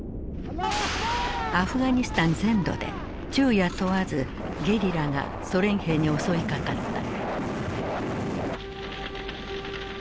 アフガニスタン全土で昼夜問わずゲリラがソ連兵に襲いかかった。